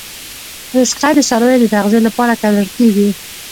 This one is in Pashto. رشقه د څارویو د تغذیې لپاره کرل کیږي